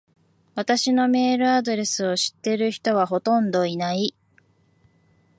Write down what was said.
私のメールアドレスを知ってる人はほとんどいない。